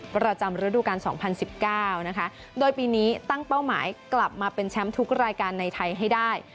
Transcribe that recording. ประจำฤดูการ๒๐๑๙นะคะโดยปีนี้ตั้งเป้าหมายกลับมาเป็นแชมป์ทุกรายการในไทยให้ได้